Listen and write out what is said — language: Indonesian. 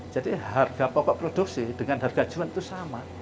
jadi harga pokok produksi dengan harga jual itu sama